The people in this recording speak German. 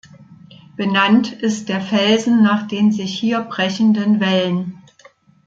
Benannt ist der Felsen nach den sich hier brechenden Wellen.